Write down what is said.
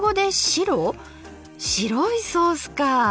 白いソースか。